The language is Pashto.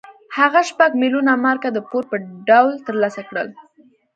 هغه شپږ میلیونه مارکه د پور په ډول ترلاسه کړل.